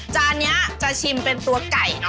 จานนี้จะชิมเป็นตัวไก่เนอ